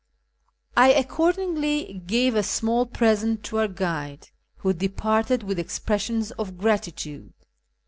I accordingly gave a small present to our guide, who departed with expressions of gratitude.